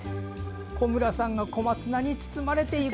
小村さんが小松菜に包まれていく！